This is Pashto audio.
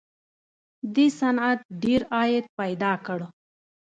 دې صنعت ډېر عاید پیدا کړ